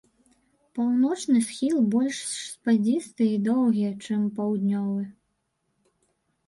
Паўночны схіл больш спадзісты і доўгі, чым паўднёвы.